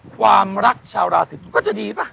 ความรักชาวราชินก็จะดีป่ะ